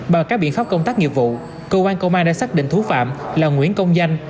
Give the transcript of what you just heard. bằng các biện pháp công tác nghiệp vụ công an đã xác định thú phạm là nguyễn công danh